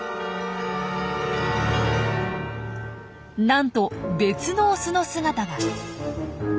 なんと別のオスの姿が。